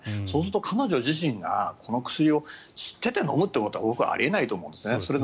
そうすると彼女自身がこの薬を知っていて飲むってことは僕はあり得ないと思うんですね。